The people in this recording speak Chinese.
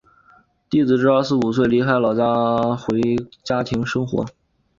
弟子至二十五岁离开老师回家过家庭生活。